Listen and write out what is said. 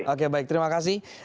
oke baik terima kasih